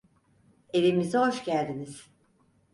Evimize hoş geldiniz.